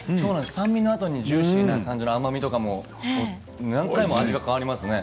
酸味のあとにジューシーな感じの甘みも何回も味が変わりますね。